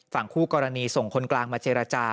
ฝั่งคู่กรณีส่งคนกลางมาเจรจา